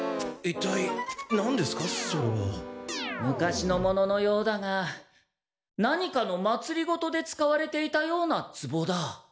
昔のもののようだが何かの祭りごとで使われていたようなつぼだ。